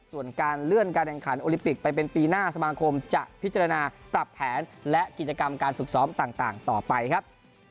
ส่วนการเลื่อนการแข่งขันโอลิปิกไปเป็นปีหน้าสมาคมจะพิจารณาปรับแผนและกิจกรรมการฝึกซ้อมต่างต่อไปครับ